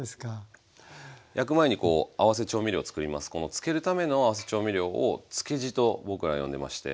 漬けるための合わせ調味料を漬け地と僕は呼んでまして。